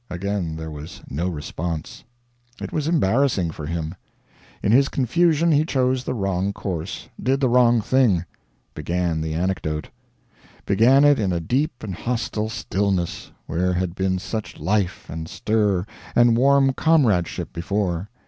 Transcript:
Again there was no response. It was embarrassing for him. In his confusion he chose the wrong course, did the wrong thing began the anecdote. Began it in a deep and hostile stillness, where had been such life and stir and warm comradeship before.